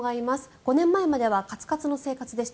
５年前まではかつかつの生活でした。